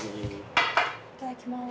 いただきます。